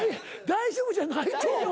大丈夫じゃないと思う。